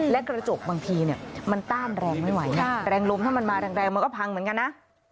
และกระจกบางทีมันต้านแรงไม่ไหวนะแรงลมถ้ามันมาแรงมันก็พังเหมือนกันนะ